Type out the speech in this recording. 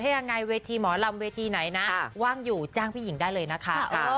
ยังไงเวทีหมอลำเวทีไหนนะว่างอยู่จ้างพี่หญิงได้เลยนะคะ